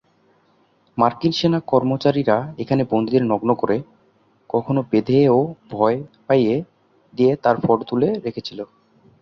মার্কিন সেনা কর্মচারীরা এখানে বন্দীদের নগ্ন করে, কখনও বেঁধে ও ভয় পাইয়ে দিয়ে তার ফটো তুলে রেখেছিল।